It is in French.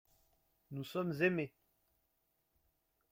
Nous sommes aimés.